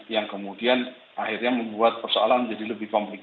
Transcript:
nah ini yang kemudian akhirnya membuat persoalan menjadi lebih kompleks